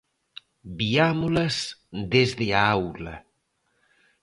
Viámolas desde a aula.